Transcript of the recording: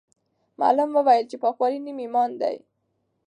معلم وویل چې پاکوالی نیم ایمان دی.